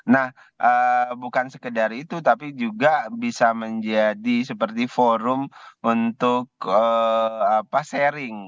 nah bukan sekedar itu tapi juga bisa menjadi seperti forum untuk sharing